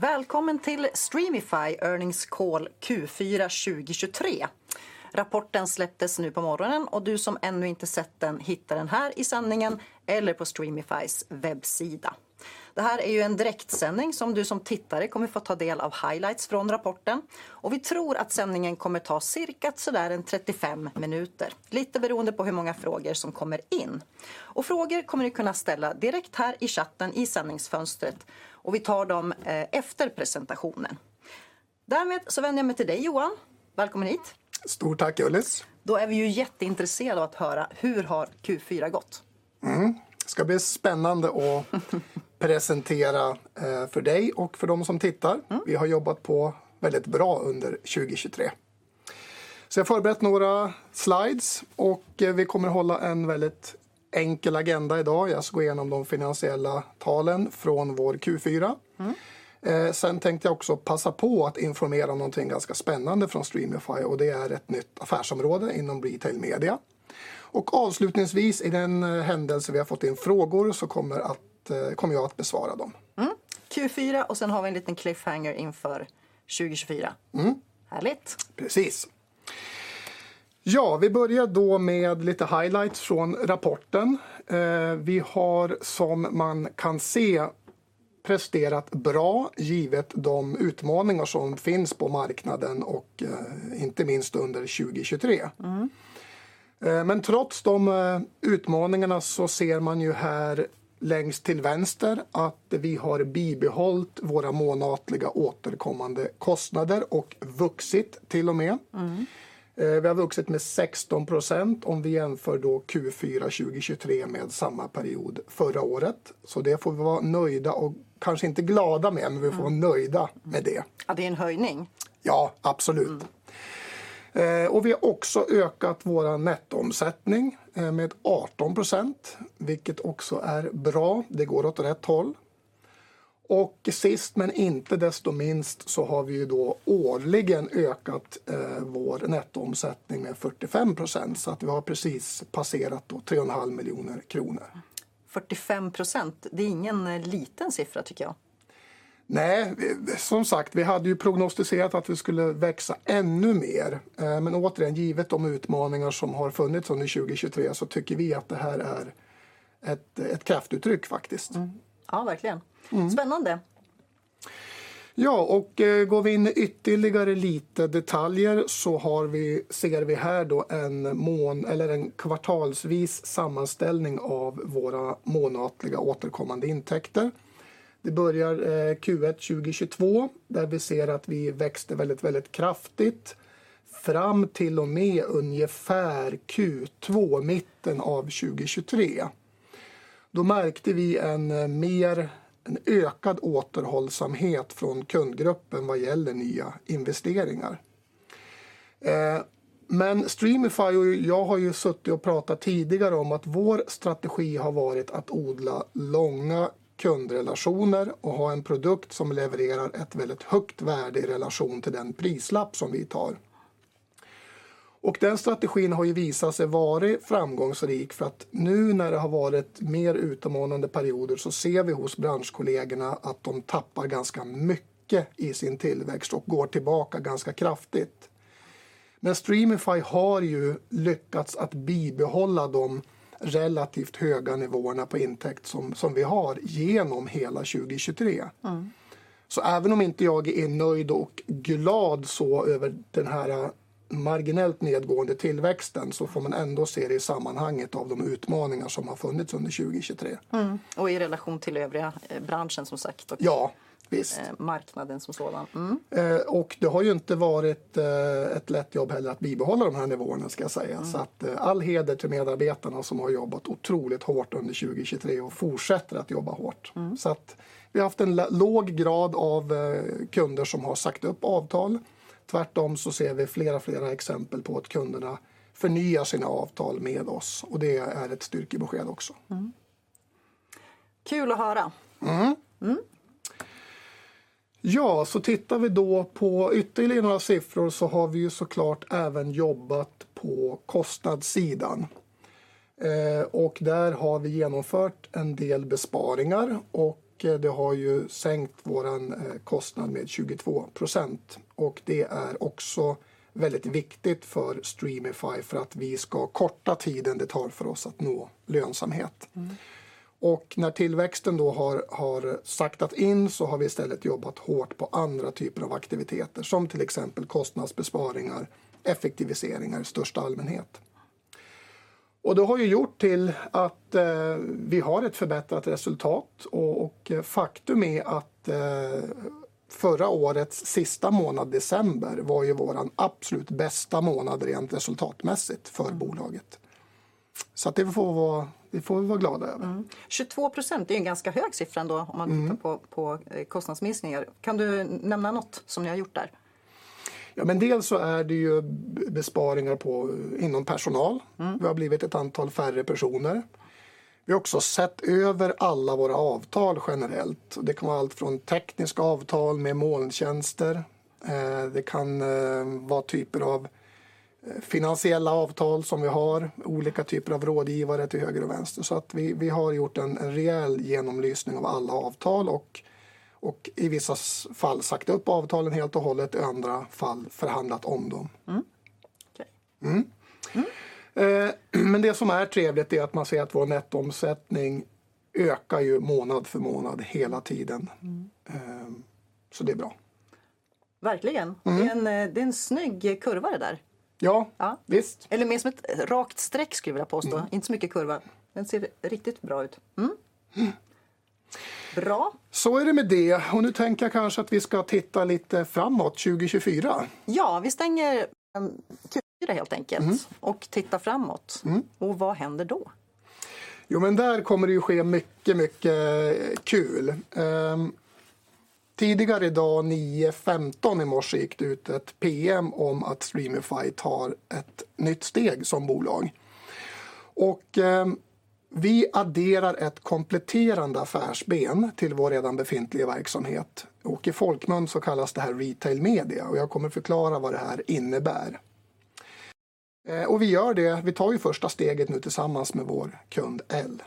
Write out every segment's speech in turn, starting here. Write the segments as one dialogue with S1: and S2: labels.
S1: Välkommen till Streamify Earnings Call Q4 2023. Rapporten släpptes nu på morgonen och du som ännu inte sett den, hittar den här i sändningen eller på Streamifys webbsida. Det här är ju en direktsändning som du som tittare kommer att få ta del av highlights från rapporten och vi tror att sändningen kommer att ta cirka trettiofem minuter, lite beroende på hur många frågor som kommer in. Frågor kommer ni kunna ställa direkt här i chatten, i sändningsfönstret och vi tar dem efter presentationen. Därmed så vänder jag mig till dig, Johan. Välkommen hit!
S2: Stort tack, Ullis.
S1: Då är vi ju jätteintresserade av att höra, hur har Q4 gått?
S2: Mm. Det ska bli spännande att presentera för dig och för de som tittar. Vi har jobbat på väldigt bra under 2023. Så jag har förberett några slides och vi kommer att hålla en väldigt enkel agenda idag. Jag ska gå igenom de finansiella talen från vår Q4. Sen tänkte jag också passa på att informera någonting ganska spännande från Streamify, och det är ett nytt affärsområde inom retail media. Och avslutningsvis, i den händelse vi har fått in frågor, så kommer jag att besvara dem.
S1: Mm, Q4 och sen har vi en liten cliffhanger inför 2024.
S2: Mm.
S1: Härligt!
S2: Precis. Ja, vi börjar då med lite highlights från rapporten. Vi har, som man kan se, presterat bra, givet de utmaningar som finns på marknaden och inte minst under 2023.
S1: Mm.
S2: Men trots de utmaningarna så ser man ju här längst till vänster att vi har bibehållit våra månatliga återkommande kostnader och vuxit till och med.
S1: Mm.
S2: Vi har vuxit med 16% om vi jämför då Q4 2023 med samma period förra året. Så det får vi vara nöjda och kanske inte glada med, men vi får vara nöjda med det.
S1: Ja, det är en höjning.
S2: Ja, absolut. Och vi har också ökat vår nettoomsättning med 18%, vilket också är bra. Det går åt rätt håll. Och sist men inte minst, så har vi då årligen ökat vår nettoomsättning med 45%, så att vi har precis passerat då 3,5 miljoner kronor.
S1: 45%, det är ingen liten siffra tycker jag.
S2: Nej, som sagt, vi hade ju prognostiserat att vi skulle växa ännu mer, men återigen, givet de utmaningar som har funnits under 2023, så tycker vi att det här är ett kraftuttryck faktiskt.
S1: Ja, verkligen. Spännande!
S2: Ja, och går vi in i ytterligare lite detaljer så har vi, ser vi här då en månads- eller en kvartalsvis sammanställning av våra månatliga återkommande intäkter. Det börjar Q1 2022, där vi ser att vi växte väldigt, väldigt kraftigt fram till och med ungefär Q2, mitten av 2023. Då märkte vi en mer, en ökad återhållsamhet från kundgruppen vad gäller nya investeringar. Men Streamify och jag har ju suttit och pratat tidigare om att vår strategi har varit att odla långa kundrelationer och ha en produkt som levererar ett väldigt högt värde i relation till den prislapp som vi tar. Och den strategin har ju visat sig vara framgångsrik för att nu när det har varit mer utmanande perioder, så ser vi hos branschkollegorna att de tappar ganska mycket i sin tillväxt och går tillbaka ganska kraftigt. Men Streamify har ju lyckats att bibehålla de relativt höga nivåerna på intäkt som vi har igenom hela 2023.
S1: Mm.
S2: Så även om inte jag är nöjd och glad över den här marginellt nedgående tillväxten, så får man ändå se det i sammanhanget av de utmaningar som har funnits under 2023.
S1: Mm, och i relation till övriga branschen som sagt-
S2: Ja, visst.
S1: och marknaden som sådan.
S2: Och det har ju inte varit ett lätt jobb heller att bibehålla de här nivåerna ska jag säga. Så att all heder till medarbetarna som har jobbat otroligt hårt under 2023 och fortsätter att jobba hårt.
S1: Mm.
S2: Så att vi har haft en låg grad av kunder som har sagt upp avtal. Tvärtom så ser vi flera, flera exempel på att kunderna förnyar sina avtal med oss och det är ett styrkebesked också.
S1: Kul att höra!
S2: Mm. Ja, så tittar vi då på ytterligare några siffror så har vi ju så klart även jobbat på kostnadssidan. Där har vi genomfört en del besparingar och det har ju sänkt vår kostnad med 22%. Det är också väldigt viktigt för Streamify för att vi ska korta tiden det tar för oss att nå lönsamhet.
S1: Mm.
S2: Och när tillväxten då har saktat in, så har vi istället jobbat hårt på andra typer av aktiviteter, som till exempel kostnadsbesparingar, effektiviseringar i största allmänhet. Det har gjort till att vi har ett förbättrat resultat. Faktum är att förra årets sista månad, december, var vår absolut bästa månad, rent resultatmässigt för bolaget. Det får vi vara glada över.
S1: Mm. 22%, det är en ganska hög siffra ändå om man tittar på kostnadsminskningar. Kan du nämna något som ni har gjort där?
S2: Ja, men dels så är det ju besparingar på, inom personal.
S1: Mm.
S2: Vi har blivit ett antal färre personer. Vi har också sett över alla våra avtal generellt. Det kan vara allt från tekniska avtal med molntjänster. Det kan vara typer av finansiella avtal som vi har, olika typer av rådgivare till höger och vänster. Så att vi har gjort en rejäl genomlysning av alla avtal och i vissa fall sagt upp avtalen helt och hållet, i andra fall förhandlat om dem.
S1: Mm, okay.
S2: Mm. Men det som är trevligt är att man ser att vår nettoomsättning ökar ju månad för månad hela tiden. Så det är bra.
S1: Verkligen! Det är en, det är en snygg kurva det där.
S2: Ja, visst.
S1: Eller mer som ett rakt streck skulle jag vilja påstå. Inte så mycket kurva, men ser riktigt bra ut. Mm. Bra.
S2: Så är det med det. Och nu tänker jag kanske att vi ska titta lite framåt, 2024.
S1: Ja, vi stänger 2024 helt enkelt och tittar framåt. Och vad händer då?
S2: Jo, men där kommer det att ske mycket, mycket kul. Tidigare i dag, nio femton i morse, gick det ut ett PM om att Streamify tar ett nytt steg som bolag. Vi adderar ett kompletterande affärsben till vår redan befintliga verksamhet och i folkmun så kallas det här retail media och jag kommer att förklara vad det här innebär. Vi gör det, vi tar ju första steget nu tillsammans med vår kund L.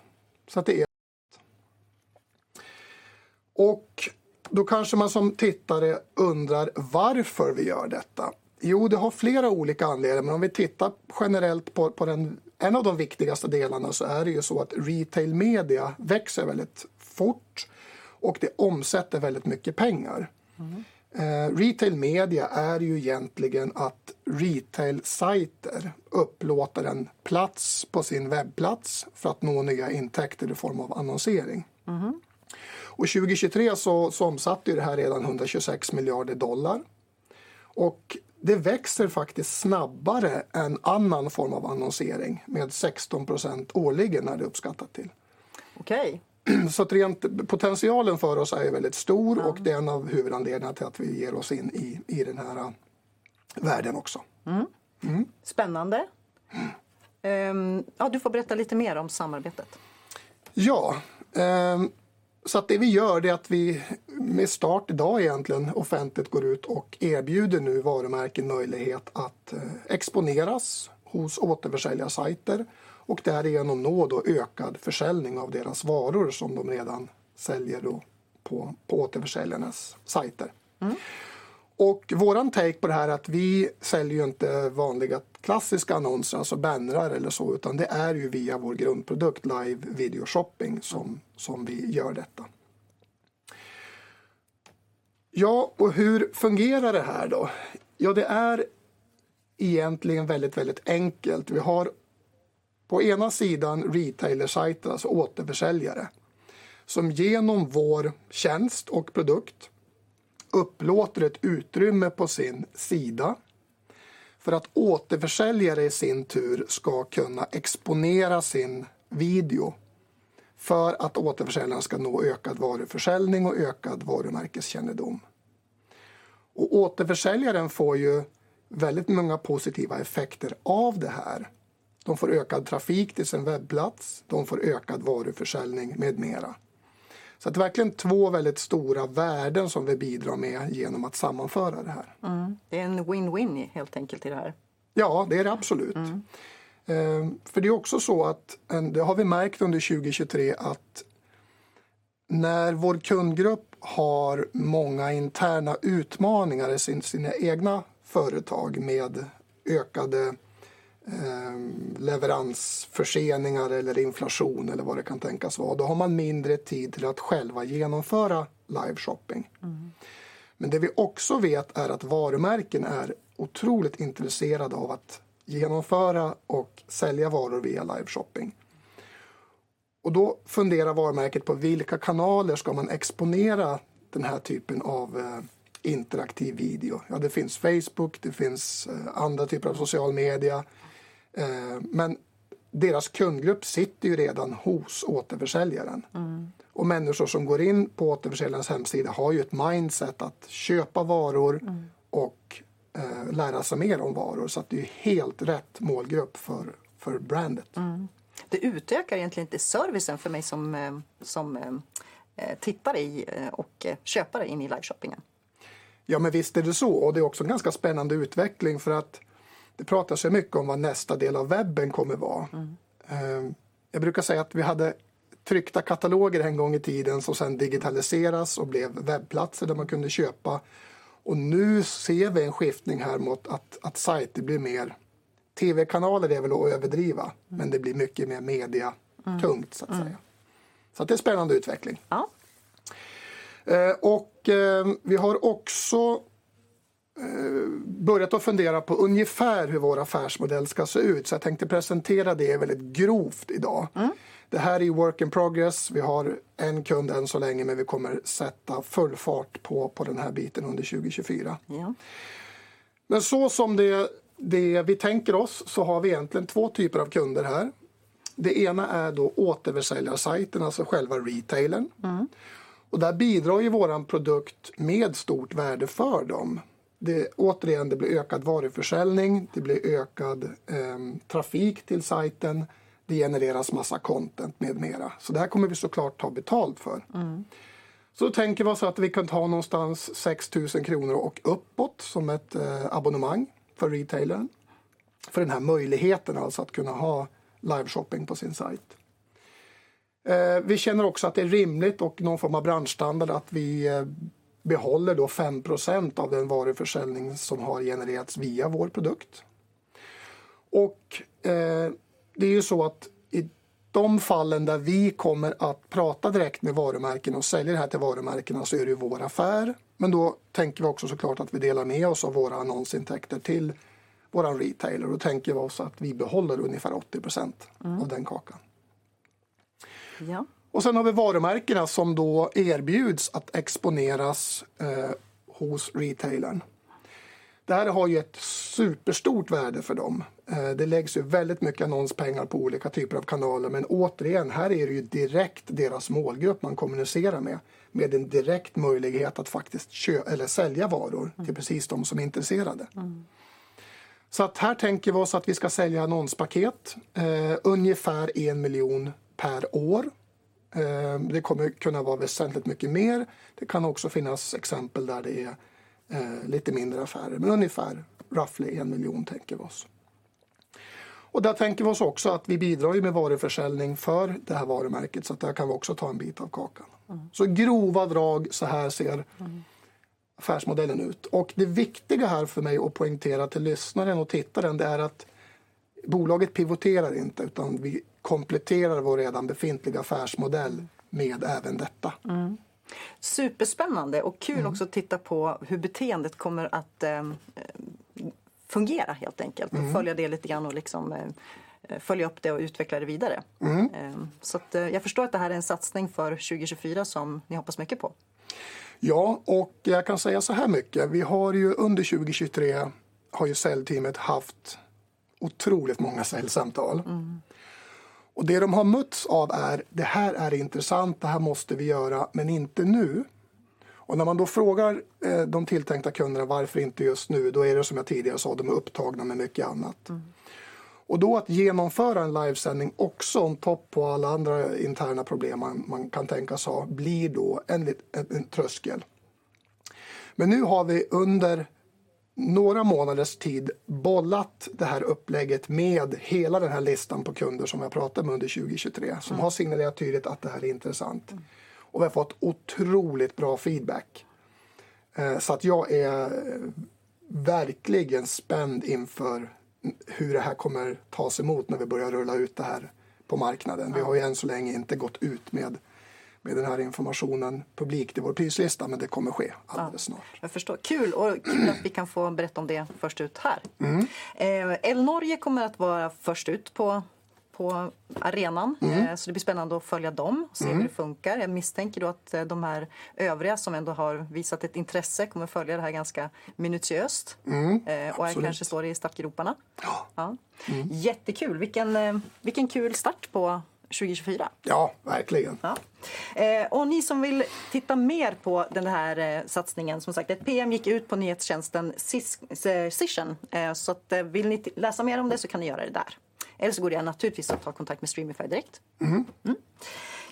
S2: Då kanske man som tittare undrar varför vi gör detta. Jo, det har flera olika anledningar, men om vi tittar generellt på en av de viktigaste delarna, så är det ju så att retail media växer väldigt fort och det omsätter väldigt mycket pengar.
S1: Mm.
S2: Retail media är ju egentligen att retail-sajter upplåter en plats på sin webbplats för att nå nya intäkter i form av annonsering.
S1: Mm.
S2: Och 2023 så omsatte ju det här redan 126 miljarder dollar och det växer faktiskt snabbare än annan form av annonsering med 16% årligen är det uppskattat till.
S1: Okej.
S2: Så att potentialen för oss är väldigt stor.
S1: Ja.
S2: Och det är en av huvudanledningarna till att vi ger oss in i den här världen också.
S1: Mm. Spännande! Ja, du får berätta lite mer om samarbetet.
S2: Ja, så att det vi gör är att vi med start idag egentligen offentligt går ut och erbjuder nu varumärken möjlighet att exponeras hos återförsäljarsajter och därigenom nå då ökad försäljning av deras varor som de redan säljer på återförsäljarnas sajter.
S1: Mm.
S2: Och vår take på det här är att vi säljer inte vanliga klassiska annonser, alltså banners eller så, utan det är ju via vår grundprodukt, live video shopping, som vi gör detta. Ja, och hur fungerar det här då? Ja, det är egentligen väldigt enkelt. Vi har på ena sidan retailersajten, alltså återförsäljare, som genom vår tjänst och produkt upplåter ett utrymme på sin sida för att återförsäljare i sin tur ska kunna exponera sin video för att återförsäljaren ska nå ökad varuförsäljning och ökad varumärkeskännedom. Och återförsäljaren får ju väldigt många positiva effekter av det här. De får ökad trafik till sin webbplats, de får ökad varuförsäljning med mera. Så det är verkligen två väldigt stora värden som vi bidrar med genom att sammanföra det här.
S1: Mm. Det är en win-win helt enkelt i det här.
S2: Ja, det är det absolut.
S1: Mm.
S2: För det är också så att, det har vi märkt under 2023, att när vår kundgrupp har många interna utmaningar i sina egna företag med ökade leveransförseningar eller inflation eller vad det kan tänkas vara, då har man mindre tid till att själva genomföra live shopping.
S1: Mm.
S2: Men det vi också vet är att varumärken är otroligt intresserade av att genomföra och sälja varor via live shopping. Då funderar varumärket på vilka kanaler ska man exponera den här typen av interaktiv video? Ja, det finns Facebook, det finns andra typer av sociala medier, men deras kundgrupp sitter ju redan hos återförsäljaren.
S1: Mm.
S2: Och människor som går in på återförsäljarens hemsida har ju ett mindset att köpa varor.
S1: Mm.
S2: och lära sig mer om varor, så att det är helt rätt målgrupp för brandet.
S1: Mm. Det utökar egentligen lite servicen för mig som tittare och köpare in i liveshoppingen.
S2: Ja, men visst är det så och det är också en ganska spännande utveckling för att det pratas så mycket om vad nästa del av webben kommer vara.
S1: Mm.
S2: Jag brukar säga att vi hade tryckta kataloger en gång i tiden som sedan digitaliserades och blev webbplatser där man kunde köpa. Nu ser vi en skiftning mot att sajter blir mer TV-kanaler, det är väl att överdriva, men det blir mycket mer mediatungt så att säga.
S1: Mm.
S2: Det är en spännande utveckling.
S1: Ja.
S2: Och vi har också börjat att fundera på ungefär hur vår affärsmodell ska se ut. Så jag tänkte presentera det väldigt grovt idag.
S1: Mm.
S2: Det här är work in progress. Vi har en kund än så länge, men vi kommer sätta full fart på den här biten under 2024.
S1: Ja.
S2: Men så som det, det vi tänker oss, så har vi egentligen två typer av kunder här. Det ena är då återförsäljarsajten, alltså själva retailern.
S1: Mm.
S2: Och där bidrar ju vår produkt med stort värde för dem. Det, återigen, det blir ökad varuförsäljning, det blir ökad trafik till sajten, det genereras massa content med mera. Så det här kommer vi så klart ta betalt för.
S1: Mm.
S2: Så tänker vi oss att vi kan ta någonstans 6 000 kronor och uppåt som ett abonnemang för retailern, för den här möjligheten, alltså att kunna ha live shopping på sin sajt. Vi känner också att det är rimligt och någon form av branschstandard att vi behåller då 5% av den varuförsäljning som har genererats via vår produkt. Det är ju så att i de fallen där vi kommer att prata direkt med varumärkena och sälja det här till varumärkena, så är det ju vår affär. Men då tänker vi också så klart att vi delar med oss av våra annonsintäkter till vår retailer och tänker oss att vi behåller ungefär 80% av den kakan.
S1: Ja.
S2: Och sen har vi varumärkena som då erbjuds att exponeras hos retailern. Det här har ju ett superstort värde för dem. Det läggs ju väldigt mycket annonspengar på olika typer av kanaler, men återigen, här är det ju direkt deras målgrupp man kommunicerar med, med en direkt möjlighet att faktiskt köpa eller sälja varor till precis de som är intresserade. Så att här tänker vi oss att vi ska sälja annonspaket, ungefär en miljon per år. Det kommer att kunna vara väsentligt mycket mer. Det kan också finnas exempel där det är lite mindre affärer, men ungefär roughly en miljon, tänker vi oss. Där tänker vi oss också att vi bidrar med varuförsäljning för det här varumärket, så att där kan vi också ta en bit av kakan. Så i grova drag, såhär ser affärsmodellen ut. Och det viktiga här för mig att poängtera till lyssnaren och tittaren, det är att bolaget pivoterar inte, utan vi kompletterar vår redan befintliga affärsmodell med även detta.
S1: Mm. Superspännande och kul också att titta på hur beteendet kommer att fungera, helt enkelt. Följa det lite grann och följa upp det och utveckla det vidare.
S2: Mm.
S1: Så att jag förstår att det här är en satsning för 2024 som ni hoppas mycket på.
S2: Ja, och jag kan säga så här mycket: vi har ju under 2023 har ju säljteamet haft otroligt många säljsamtal. Och det de har mötts av är: det här är intressant, det här måste vi göra, men inte nu. Och när man då frågar de tilltänkta kunderna, varför inte just nu? Då är det som jag tidigare sa, de är upptagna med mycket annat. Och då att genomföra en livesändning, också on top på alla andra interna problem man kan tänka sig ha, blir då en tröskel. Men nu har vi under några månaders tid bollat det här upplägget med hela den här listan på kunder som jag pratat med under 2023, som har signalerat tydligt att det här är intressant. Och vi har fått otroligt bra feedback. Så att jag är verkligen spänd inför hur det här kommer tas emot när vi börjar rulla ut det här på marknaden. Vi har ju än så länge inte gått ut med den här informationen publikt i vår prislista, men det kommer ske alldeles snart.
S1: Jag förstår. Kul, och kul att vi kan få berätta om det först ut här.
S2: Mm.
S1: El Norge kommer att vara först ut på arenan, så det blir spännande att följa dem, se hur det funkar. Jag misstänker då att de här övriga som ändå har visat ett intresse kommer att följa det här ganska minutiöst.
S2: Mm, absolut.
S1: Och kanske står i startgroparna.
S2: Ja.
S1: Ja, jättekul! Vilken kul start på 2024.
S2: Ja, verkligen.
S1: Ja. Och ni som vill titta mer på den här satsningen, som sagt, ett PM gick ut på nyhetstjänsten Cision. Så att vill ni läsa mer om det så kan ni göra det där. Eller så går det naturligtvis att ta kontakt med Streamify direkt.
S2: Mm.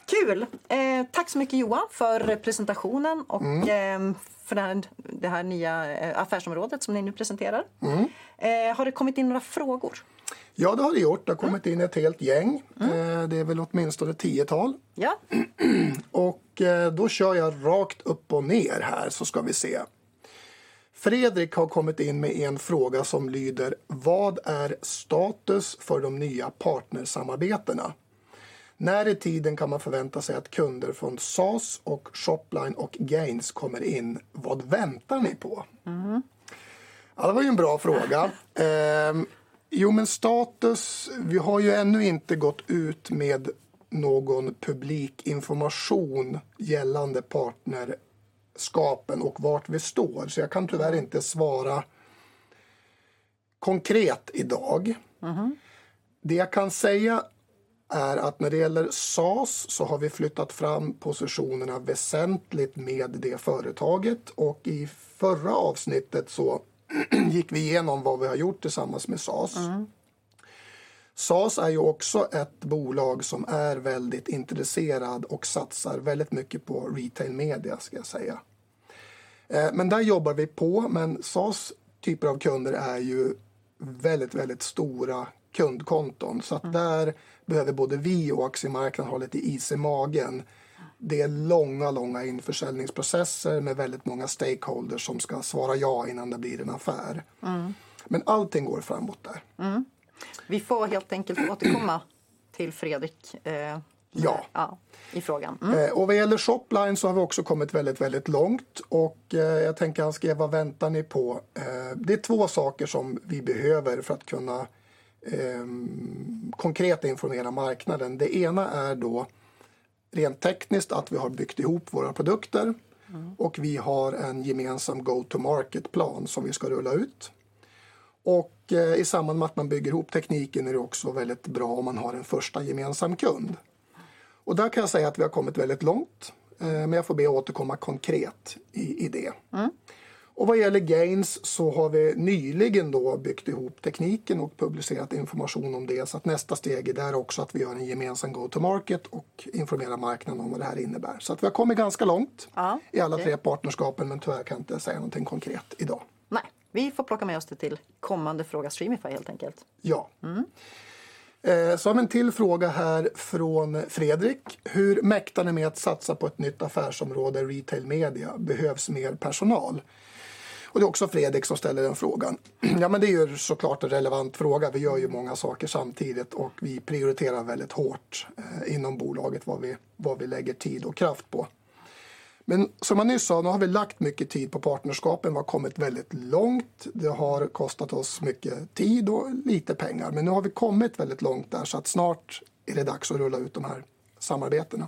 S1: Kul! Tack så mycket, Johan, för presentationen och för det här nya affärsområdet som ni nu presenterar.
S2: Mm.
S1: Har det kommit in några frågor?
S2: Ja, det har det gjort. Det har kommit in ett helt gäng. Det är väl åtminstone ett tiotal.
S1: Ja.
S2: Och då kör jag rakt upp och ner här så ska vi se. Fredrik har kommit in med en fråga som lyder: Vad är status för de nya partnersamarbetena? När i tiden kan man förvänta sig att kunder från SAS och Shopline och Gains kommer in? Vad väntar ni på?
S1: Mm.
S2: Ja, det var ju en bra fråga. Jo, men status, vi har ju ännu inte gått ut med någon publik information gällande partnerskapen och vart vi står. Så jag kan tyvärr inte svara konkret idag.
S1: Mm.
S2: Det jag kan säga är att när det gäller SAS så har vi flyttat fram positionerna väsentligt med det företaget och i förra avsnittet så gick vi igenom vad vi har gjort tillsammans med SAS.
S1: Mm.
S2: SAS är ju också ett bolag som är väldigt intresserat och satsar väldigt mycket på retail media, ska jag säga. Men där jobbar vi på, men SAS typer av kunder är ju väldigt, väldigt stora kundkonton. Så att där behöver både vi och aktiemarknaden hålla det i is i magen. Det är långa, långa införsäljningsprocesser med väldigt många stakeholders som ska svara ja innan det blir en affär.
S1: Mm.
S2: Men allt går framåt där.
S1: Vi får helt enkelt återkomma till Fredrik.
S2: Ja.
S1: i frågan.
S2: Och vad gäller Shopline så har vi också kommit väldigt, väldigt långt och jag tänker, han skrev: Vad väntar ni på? Det är två saker som vi behöver för att kunna konkret informera marknaden. Det ena är då, rent tekniskt, att vi har byggt ihop våra produkter.
S1: Mm.
S2: Och vi har en gemensam go-to-market-plan som vi ska rulla ut. Och i samband med att man bygger ihop tekniken är det också väldigt bra om man har en första gemensam kund. Och där kan jag säga att vi har kommit väldigt långt, men jag får be att återkomma konkret i det.
S1: Mm.
S2: Och vad gäller Gains så har vi nyligen då byggt ihop tekniken och publicerat information om det. Så att nästa steg är det här också att vi har en gemensam go to market och informerar marknaden om vad det här innebär. Så att vi har kommit ganska långt.
S1: Ja, okej.
S2: i alla tre partnerskapen, men tyvärr kan inte säga någonting konkret idag.
S1: Nej, vi får plocka med oss det till kommande Fråga Streamify, helt enkelt.
S2: Ja.
S1: Mm.
S2: Så har vi en till fråga här från Fredrik: Hur mäktar ni med att satsa på ett nytt affärsområde, retail media? Behövs mer personal? Det är också Fredrik som ställer den frågan. Ja, men det är ju såklart en relevant fråga. Vi gör ju många saker samtidigt och vi prioriterar väldigt hårt inom bolaget vad vi lägger tid och kraft på. Men som jag nyss sa, nu har vi lagt mycket tid på partnerskapen. Vi har kommit väldigt långt. Det har kostat oss mycket tid och lite pengar, men nu har vi kommit väldigt långt där, så att snart är det dags att rulla ut de här samarbetena.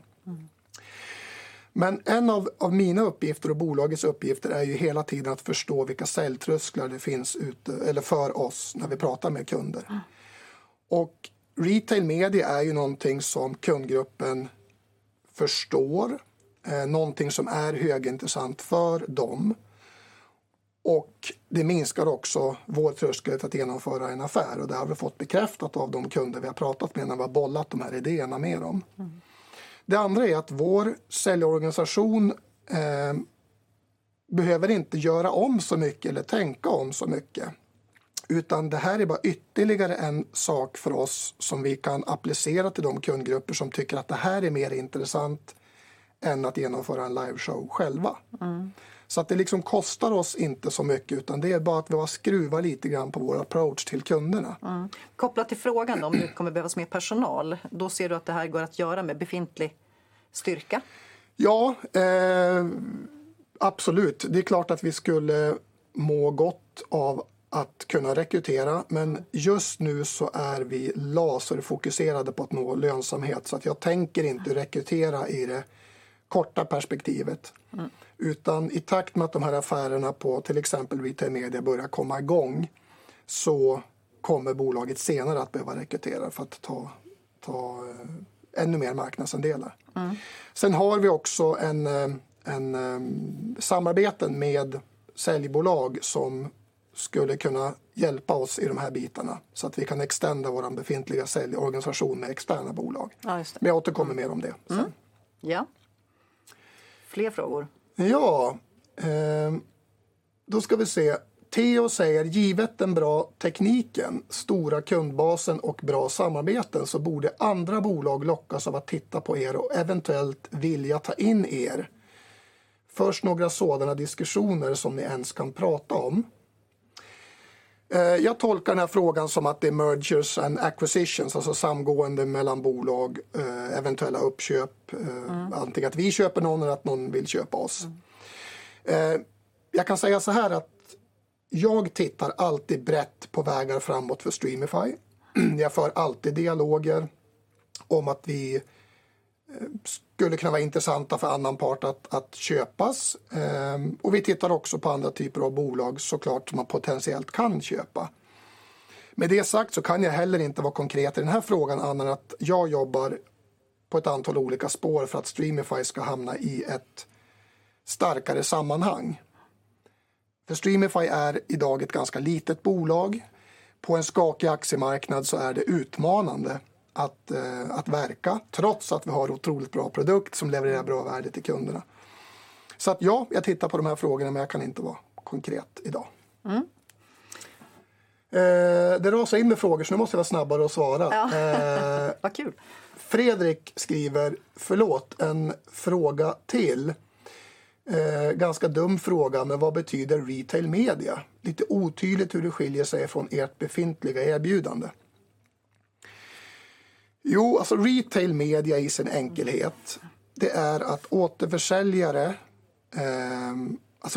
S2: Men en av mina uppgifter och bolagets uppgifter är ju hela tiden att förstå vilka säljtrösklar det finns ute, eller för oss när vi pratar med kunder. Och retail media är ju någonting som kundgruppen förstår, någonting som är högintressant för dem. Och det minskar också vår tröskel till att genomföra en affär och det har vi fått bekräftat av de kunder vi har pratat med när vi har bollat de här idéerna med dem. Det andra är att vår säljorganisation behöver inte göra om så mycket eller tänka om så mycket, utan det här är bara ytterligare en sak för oss som vi kan applicera till de kundgrupper som tycker att det här är mer intressant än att genomföra en liveshow själva. Så att det liksom kostar oss inte så mycket, utan det är bara att vi har skruvat lite grann på vår approach till kunderna.
S1: Kopplat till frågan om det kommer att behövas mer personal, då ser du att det här går att göra med befintlig styrka?
S2: Ja, absolut. Det är klart att vi skulle må gott av att kunna rekrytera, men just nu så är vi laserfokuserade på att nå lönsamhet. Så jag tänker inte rekrytera i det korta perspektivet. Utan i takt med att de här affärerna på till exempel retail media börjar komma igång, så kommer bolaget senare att behöva rekrytera för att ta ännu mer marknadsandelar. Sen har vi också ett samarbete med säljbolag som skulle kunna hjälpa oss i de här bitarna så att vi kan utöka vår befintliga säljorganisation med externa bolag.
S1: Ja, just det.
S2: Men jag återkommer mer om det sen.
S1: Ja. Fler frågor.
S2: Ja, då ska vi se. Theo säger: Givet den bra tekniken, stora kundbasen och bra samarbeten, så borde andra bolag lockas av att titta på er och eventuellt vilja ta in er. Först några sådana diskussioner som ni ens kan prata om? Jag tolkar den här frågan som att det är mergers and acquisitions, alltså samgående mellan bolag, eventuella uppköp, antingen att vi köper någon eller att någon vill köpa oss. Jag kan säga såhär att jag tittar alltid brett på vägar framåt för Streamify. Jag för alltid dialoger om att vi skulle kunna vara intressanta för annan part att köpas. Vi tittar också på andra typer av bolag, så klart, som man potentiellt kan köpa. Med det sagt så kan jag heller inte vara konkret i den här frågan, annat än att jag jobbar på ett antal olika spår för att Streamify ska hamna i ett starkare sammanhang. För Streamify är idag ett ganska litet bolag. På en skakig aktiemarknad så är det utmanande att verka, trots att vi har otroligt bra produkt som levererar bra värde till kunderna. Så att ja, jag tittar på de här frågorna, men jag kan inte vara konkret idag. Det rasar in med frågor, så nu måste jag vara snabbare och svara.
S1: Ja, vad kul!
S2: Fredrik skriver: Förlåt, en fråga till. Ganska dum fråga, men vad betyder retail media? Lite otydligt hur det skiljer sig från ert befintliga erbjudande. Jo, retail media i sin enkelhet, det är att återförsäljare,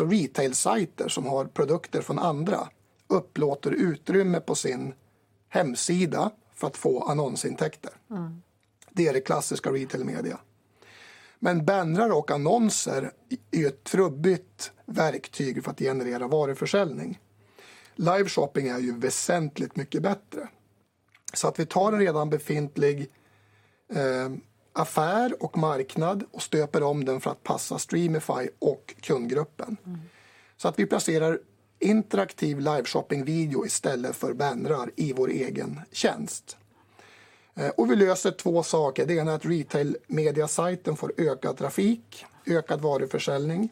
S2: retail siter som har produkter från andra, upplåter utrymme på sin hemsida för att få annonsintäkter. Det är det klassiska retail media. Men bannrar och annonser är ju ett trubbigt verktyg för att generera varuförsäljning. Live shopping är ju väsentligt mycket bättre. Vi tar en redan befintlig affär och marknad och stöper om den för att passa Streamify och kundgruppen. Vi placerar interaktiv live shopping-video istället för bannrar i vår egen tjänst. Vi löser två saker. Det ena är att retail media-siten får ökad trafik, ökad varuförsäljning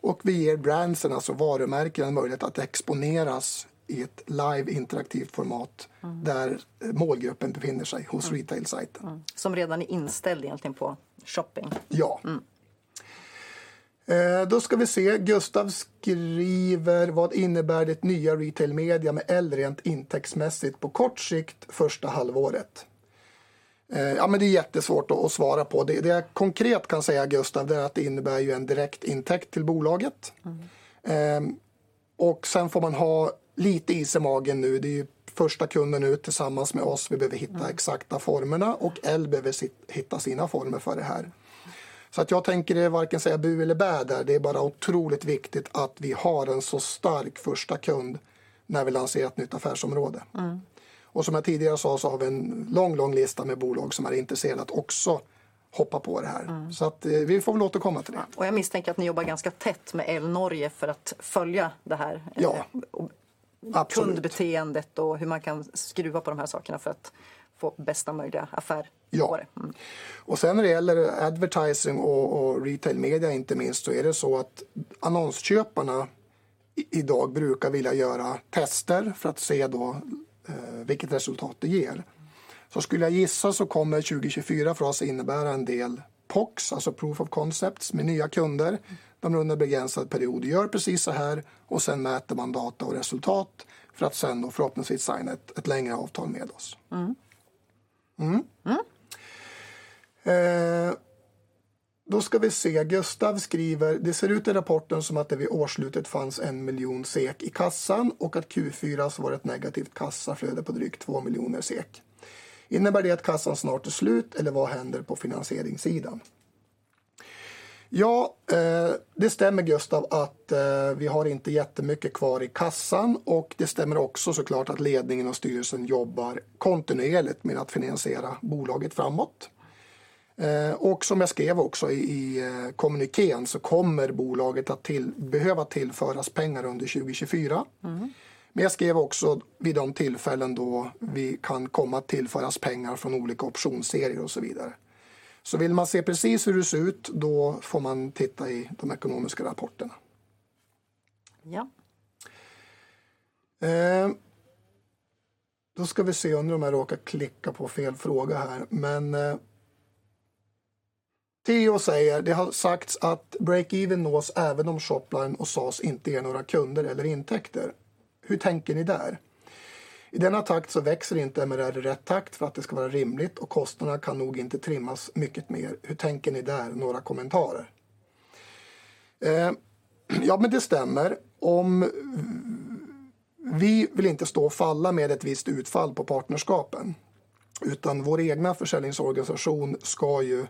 S2: och vi ger brands, alltså varumärken, en möjlighet att exponeras i ett live interaktivt format där målgruppen befinner sig hos retail-siten.
S1: Som redan är inställd egentligen på shopping.
S2: Ja. Då ska vi se. Gustav skriver: Vad innebär ditt nya retail media med L rent intäktsmässigt på kort sikt, första halvåret? Ja, men det är jättesvårt att svara på. Det jag konkret kan säga, Gustav, det är att det innebär ju en direktintäkt till bolaget. Sen får man ha lite is i magen nu. Det är ju första kunden ut tillsammans med oss. Vi behöver hitta exakta formerna och L behöver sitt, hitta sina former för det här. Så jag tänker varken säga bu eller bä där. Det är bara otroligt viktigt att vi har en så stark första kund när vi lanserar ett nytt affärsområde. Som jag tidigare sa, så har vi en lång, lång lista med bolag som är intresserade att också hoppa på det här. Så att vi får väl återkomma till det.
S1: Och jag misstänker att ni jobbar ganska tätt med L Norge för att följa det här.
S2: Ja, absolut.
S1: kundbeteendet och hur man kan skruva på de här sakerna för att få bästa möjliga affär på det.
S2: Ja, och sen när det gäller advertising och retail media, inte minst, då är det så att annonsköparna i dag brukar vilja göra tester för att se vilket resultat det ger. Så skulle jag gissa, så kommer 2024 för oss innebära en del POCs, alltså proof of concepts, med nya kunder. De under en begränsad period gör precis såhär och sen mäter man data och resultat för att sedan förhoppningsvis signa ett längre avtal med oss. Mm. Då ska vi se. Gustav skriver: Det ser ut i rapporten som att det vid årsslutet fanns en miljon SEK i kassan och att Q4 så var det ett negativt kassaflöde på drygt två miljoner SEK. Innebär det att kassan snart är slut eller vad händer på finansieringssidan? Ja, det stämmer, Gustav, att vi har inte jättemycket kvar i kassan och det stämmer också så klart att ledningen och styrelsen jobbar kontinuerligt med att finansiera bolaget framåt. Som jag skrev också i kommunikén så kommer bolaget att behöva tillföras pengar under 2024. Men jag skrev också vid de tillfällen då vi kan komma att tillföras pengar från olika optionsserier och så vidare. Så vill man se precis hur det ser ut, då får man titta i de ekonomiska rapporterna. Ja. Då ska vi se, undrar om jag råkar klicka på fel fråga här. Men Theo säger: Det har sagts att break even nås även om Shopline och SAS inte ger några kunder eller intäkter. Hur tänker ni där? I denna takt så växer inte MRR i rätt takt för att det ska vara rimligt och kostnaderna kan nog inte trimmas mycket mer. Hur tänker ni där? Några kommentarer. Ja, men det stämmer. Vi vill inte stå och falla med ett visst utfall på partnerskapen, utan vår egna försäljningsorganisation ska ju,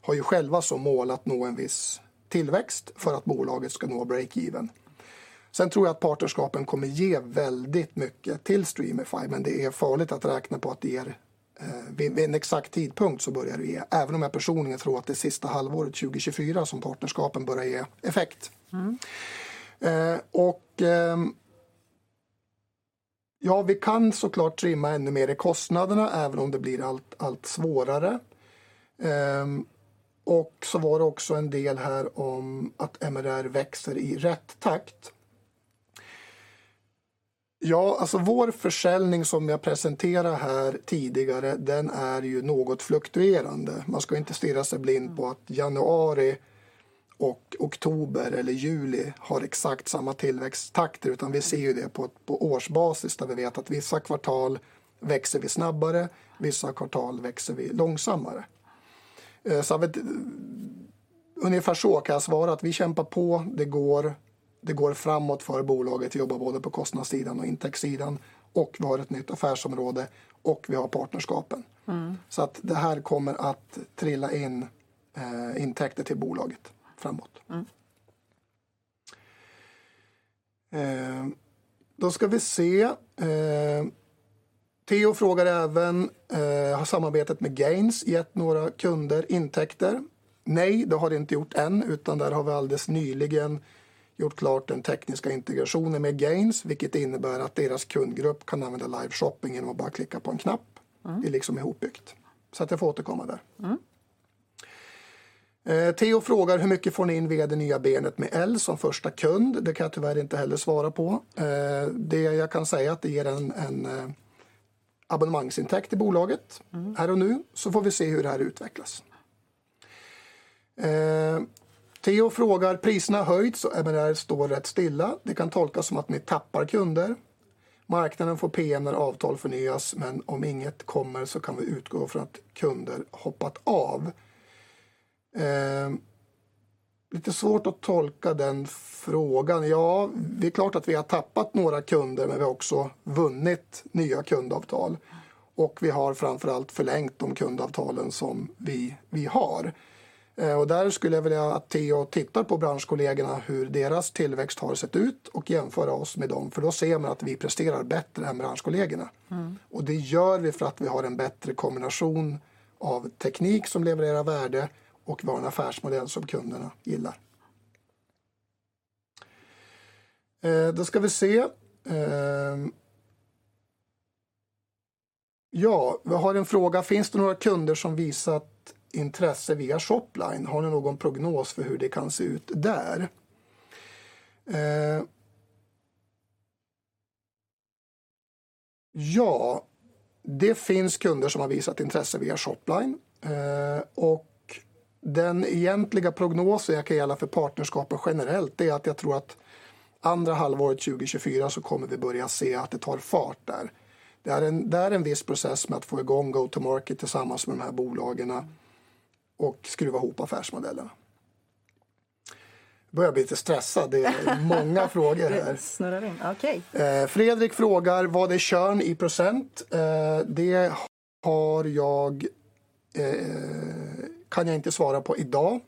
S2: har ju själva som mål att nå en viss tillväxt för att bolaget ska nå break even. Sen tror jag att partnerskapen kommer ge väldigt mycket till Streamify, men det är farligt att räkna på att det ger vid en exakt tidpunkt, så börjar det ge. Även om jag personligen tror att det sista halvåret 2024 som partnerskapen börja ge effekt. Ja, vi kan så klart trimma ännu mer i kostnaderna, även om det blir allt svårare. Så var det också en del här om att MRR växer i rätt takt. Ja, alltså vår försäljning som jag presenterade här tidigare, den är ju något fluktuerande. Man ska inte stirra sig blind på att januari och oktober eller juli har exakt samma tillväxttakter, utan vi ser ju det på årsbasis, där vi vet att vissa kvartal växer vi snabbare, vissa kvartal växer vi långsammare. Så har vi ungefär så kan jag svara, att vi kämpar på. Det går, det går framåt för bolaget. Vi jobbar både på kostnadssidan och intäktssidan och vi har ett nytt affärsområde och vi har partnerskapen. Så att det här kommer att trilla in intäkter till bolaget framåt. Då ska vi se. Theo frågar även: Har samarbetet med Gains gett några kunder intäkter? Nej, det har det inte gjort än, utan där har vi alldeles nyligen gjort klart den tekniska integrationen med Gains, vilket innebär att deras kundgrupp kan använda live shopping genom att bara klicka på en knapp. Det är liksom ihopbyggt. Så jag får återkomma där. Theo frågar: Hur mycket får ni in via det nya benet med L som första kund? Det kan jag tyvärr inte heller svara på. Det jag kan säga att det ger en abonnemangsintäkt i bolaget här och nu, så får vi se hur det här utvecklas. Theo frågar: Priserna har höjts och MRR står rätt stilla. Det kan tolkas som att ni tappar kunder. Marknaden får P när avtal förnyas, men om inget kommer så kan vi utgå för att kunder hoppat av. Lite svårt att tolka den frågan. Ja, det är klart att vi har tappat några kunder, men vi har också vunnit nya kundavtal och vi har framför allt förlängt de kundavtalen som vi har. Där skulle jag vilja att Theo tittar på branschkollegerna, hur deras tillväxt har sett ut och jämföra oss med dem, för då ser man att vi presterar bättre än branschkollegerna. Och det gör vi för att vi har en bättre kombination av teknik som levererar värde och vi har en affärsmodell som kunderna gillar. Då ska vi se. Ja, vi har en fråga: Finns det några kunder som visat intresse via Shopline? Har ni någon prognos för hur det kan se ut där? Ja, det finns kunder som har visat intresse via Shopline och den egentliga prognosen jag kan ge för partnerskapet generellt är att jag tror att andra halvåret 2024, så kommer vi börja se att det tar fart där. Det är en viss process med att få igång go to market tillsammans med de här bolagen och skruva ihop affärsmodellerna. Nu börjar jag bli lite stressad, det är många frågor här. Det snurrar in, okej. Fredrik frågar: Vad är churn i %? Det har jag, kan jag inte svara på idag,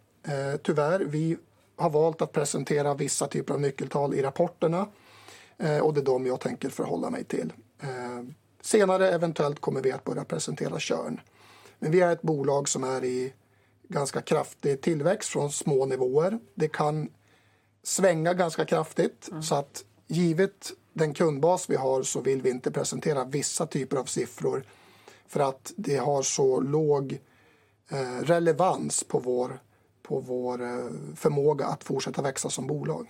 S2: tyvärr. Vi har valt att presentera vissa typer av nyckeltal i rapporterna och det är dem jag tänker förhålla mig till. Senare, eventuellt, kommer vi att börja presentera churn. Men vi är ett bolag som är i ganska kraftig tillväxt från små nivåer. Det kan svänga ganska kraftigt. Så att givet den kundbas vi har, så vill vi inte presentera vissa typer av siffror för att det har så låg relevans på vår förmåga att fortsätta växa som bolag.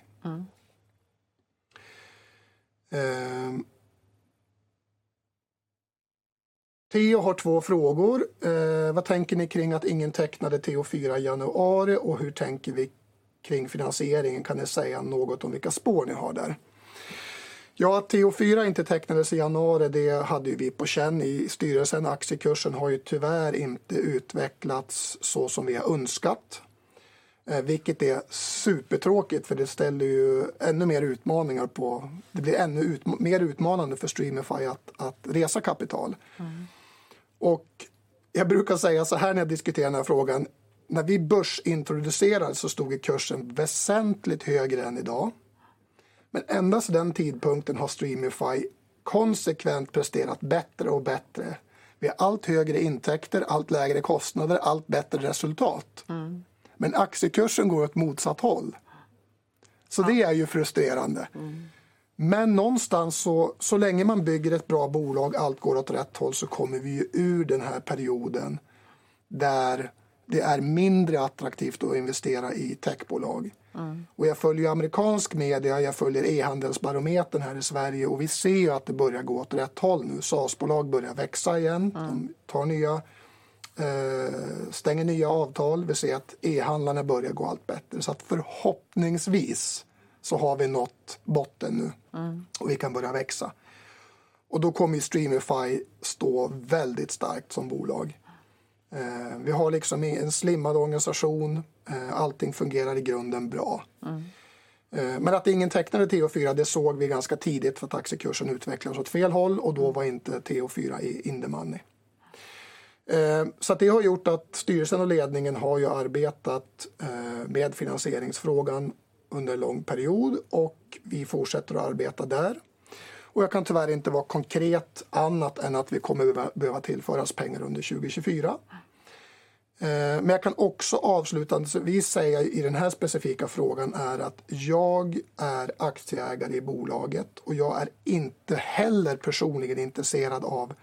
S2: Theo har två frågor: Vad tänker ni kring att ingen tecknade TO4 i januari? Och hur tänker vi kring finansieringen? Kan ni säga något om vilka spår ni har där? Ja, att TO4 inte tecknades i januari, det hade ju vi på känn i styrelsen. Aktiekursen har ju tyvärr inte utvecklats så som vi har önskat, vilket är supertråkigt, för det ställer ju ännu mer utmaningar på. Det blir ännu mer utmanande för Streamify att resa kapital. Jag brukar säga såhär när jag diskuterar den här frågan: När vi börsintroducerade så stod ju kursen väsentligt högre än idag. Men sedan den tidpunkten har Streamify konsekvent presterat bättre och bättre. Vi har allt högre intäkter, allt lägre kostnader, allt bättre resultat. Men aktiekursen går åt motsatt håll. Det är ju frustrerande. Men någonstans så, så länge man bygger ett bra bolag, allt går åt rätt håll, så kommer vi ju ur den här perioden där det är mindre attraktivt att investera i techbolag. Jag följer ju amerikansk media, jag följer e-handelsbarometern här i Sverige och vi ser ju att det börjar gå åt rätt håll nu. SAS-bolag börjar växa igen, de tar nya avtal. Vi ser att e-handlarna börjar gå allt bättre. Så förhoppningsvis så har vi nått botten nu.
S1: Mm.
S2: Och vi kan börja växa. Och då kommer ju Streamify stå väldigt starkt som bolag. Vi har liksom en slimmad organisation, allting fungerar i grunden bra.
S1: Mm.
S2: Men att ingen tecknade TO4, det såg vi ganska tidigt för att aktiekursen utvecklades åt fel håll och då var inte TO4 in the money. Så det har gjort att styrelsen och ledningen har ju arbetat med finansieringsfrågan under lång period och vi fortsätter att arbeta där. Jag kan tyvärr inte vara konkret annat än att vi kommer att behöva tillföras pengar under 2024. Men jag kan också avslutande, så vill säga i den här specifika frågan, är att jag är aktieägare i bolaget och jag är inte heller personligen intresserad av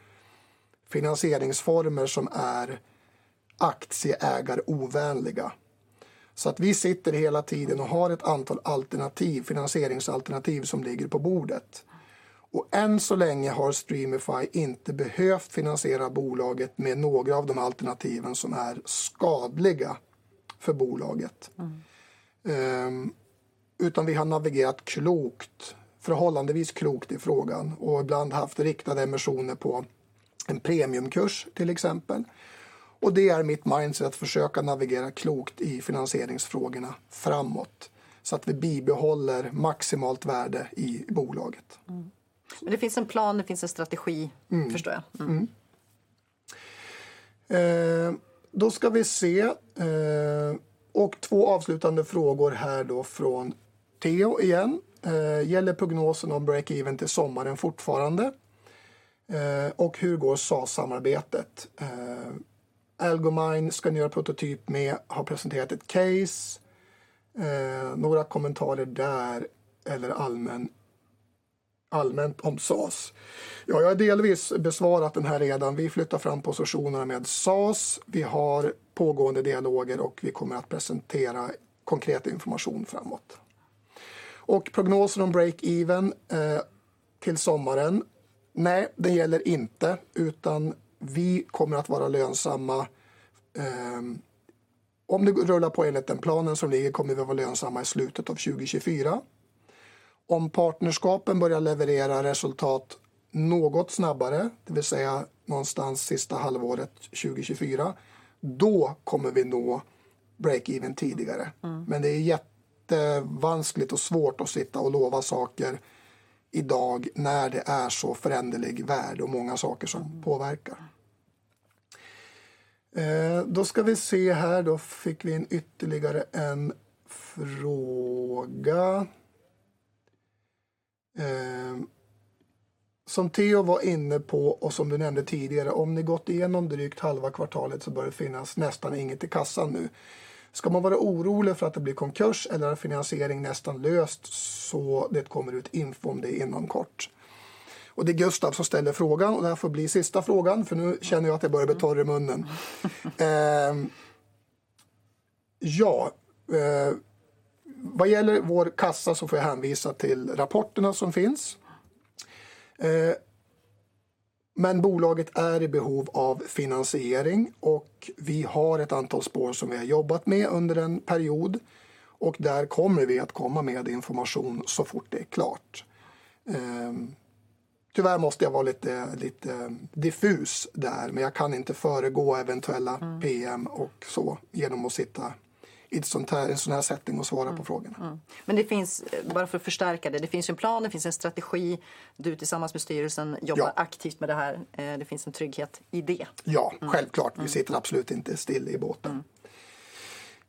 S2: finansieringsformer som är aktieägarovänliga. Så att vi sitter hela tiden och har ett antal alternativ, finansieringsalternativ, som ligger på bordet. Än så länge har Streamify inte behövt finansiera bolaget med några av de alternativen som är skadliga för bolaget. Vi har navigerat klokt, förhållandevis klokt i frågan och ibland haft riktade emissioner på en premiumkurs, till exempel. Det är mitt mindset att försöka navigera klokt i finansieringsfrågorna framåt så att vi bibehåller maximalt värde i bolaget.
S1: Men det finns en plan, det finns en strategi.
S2: Mm.
S1: Förstår jag?
S2: Mm. Eh, då ska vi se. Eh, och två avslutande frågor här då från Theo igen: Gäller prognosen om break even till sommaren fortfarande? Eh, och hur går SAS-samarbetet? Algomine, ska ni göra prototyp med, har presenterat ett case. Några kommentarer där eller allmänt om SAS? Ja, jag har delvis besvarat den här redan. Vi flyttar fram positionerna med SAS. Vi har pågående dialoger och vi kommer att presentera konkret information framåt. Och prognosen om break even till sommaren. Nej, det gäller inte, utan vi kommer att vara lönsamma om det rullar på enligt den planen som ligger, kommer vi vara lönsamma i slutet av 2024. Om partnerskapen börjar leverera resultat något snabbare, det vill säga någonstans sista halvåret 2024, då kommer vi nå break even tidigare.
S1: Mm.
S2: Men det är jättevanskligt och svårt att sitta och lova saker idag när det är så föränderlig värld och många saker som påverkar. Då ska vi se här. Då fick vi in ytterligare en fråga som Theo var inne på och som du nämnde tidigare, om ni gått igenom drygt halva kvartalet så bör det finnas nästan inget i kassan nu. Ska man vara orolig för att det blir konkurs eller är finansiering nästan löst så det kommer ut info om det inom kort? Det är Gustav som ställer frågan och det här får bli sista frågan, för nu känner jag att jag börjar bli torr i munnen. Ja, vad gäller vår kassa så får jag hänvisa till rapporterna som finns. Men bolaget är i behov av finansiering och vi har ett antal spår som vi har jobbat med under en period och där kommer vi att komma med information så fort det är klart. Tyvärr måste jag vara lite diffus där, men jag kan inte föregå eventuella PM och så.
S1: Mm.
S2: genom att sitta i ett sådant här, en sådan här setting och svara på frågorna.
S1: Mm. Men det finns, bara för att förstärka det. Det finns en plan, det finns en strategi. Du tillsammans med styrelsen-
S2: Ja.
S1: Jobbar aktivt med det här. Det finns en trygghet i det.
S2: Ja, självklart, vi sitter absolut inte still i båten.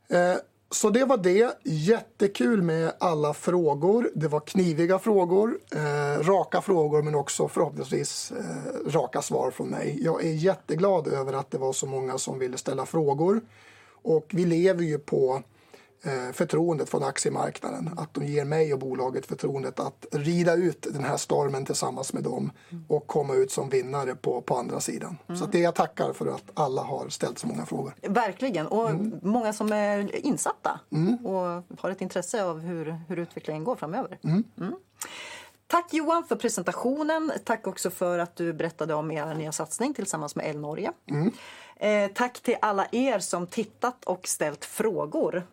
S1: Mm.
S2: Så det var det. Jättekul med alla frågor. Det var kniviga frågor, raka frågor, men också förhoppningsvis raka svar från mig. Jag är jätteglad över att det var så många som ville ställa frågor och vi lever ju på förtroendet från aktiemarknaden, att de ger mig och bolaget förtroendet att rida ut den här stormen tillsammans med dem.
S1: Mm.
S2: och komma ut som vinnare på andra sidan.
S1: Mm.
S2: Så det jag tackar för att alla har ställt så många frågor.
S1: Verkligen, och många som är insatta-
S2: Mm.
S1: och har ett intresse av hur utvecklingen går framöver.
S2: Mm.
S1: Mm. Tack Johan för presentationen. Tack också för att du berättade om er nya satsning tillsammans med El Norge.
S2: Mm.
S1: Tack till alla er som tittat och ställt frågor.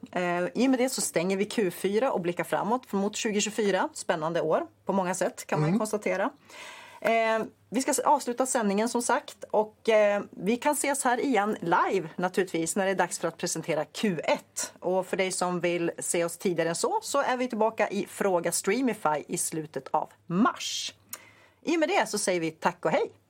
S1: I och med det så stänger vi Q4 och blickar framåt mot 2024. Spännande år på många sätt, kan man ju konstatera.
S2: Mm.
S1: Vi ska avsluta sändningen som sagt, och vi kan ses här igen, live naturligtvis, när det är dags för att presentera Q1. Och för dig som vill se oss tidigare än så, så är vi tillbaka i Fråga Streamify i slutet av mars. I och med det så säger vi tack och hej!